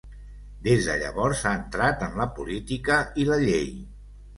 Des de llavors ha entrat en la política i la llei.